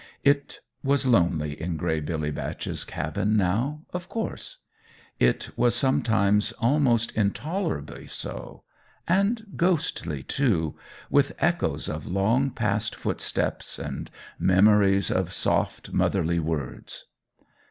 It was lonely in Gray Billy Batch's cabin, now, of course; it was sometimes almost intolerably so and ghostly, too, with echoes of long past footsteps and memories of soft motherly words.